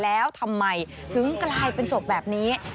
แล้วทำไมถึงกลายเป็นศพแบบนี้